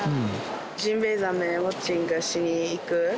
ジンベエザメウォッチングしに行く。